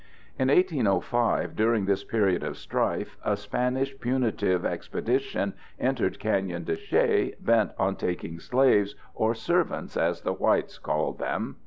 In 1805, during this period of strife, a Spanish punitive expedition entered Canyon de Chelly, bent on taking slaves, or servants as the whites called them.